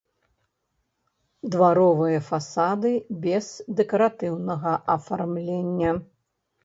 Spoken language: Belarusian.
Дваровыя фасады без дэкаратыўнага афармлення.